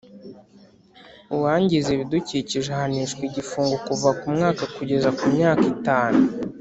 Uwangiza ibidukikije ahanishwa igifungo kuva ku mwaka kugeza ku myaka itanu